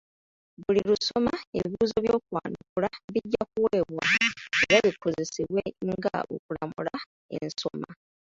Buli lusoma, ebibuuzo by'okwanukula bijja kuweebwa era bikozesebwe nga okulamula ensoma.